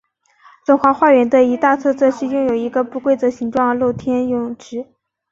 龙华花园的一大特色是拥有一个不规则形状露天游泳池。